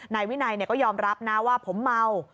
นายวินัยก็ยอมรับนะว่าผมเมา